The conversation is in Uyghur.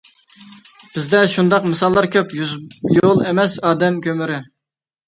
بىزدە شۇنداق مىساللار كۆپ، تۈز يول ئەمەس ئادەم كۆمۈرى.